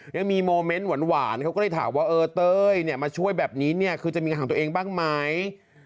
ยังมีโมเมนต์หวานเขาก็เลยถามว่าเออเต้ยมาช่วยแบบนี้เนี่ยคือจะมีงานของตัวเองบ้างไหม